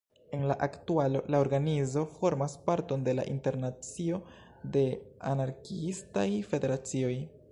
En la aktualo la organizo formas parton de la Internacio de Anarkiistaj Federacioj.